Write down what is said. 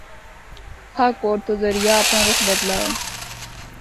تھاکوٹ تو دریا اپنڑا رُخ بدلا ہے۔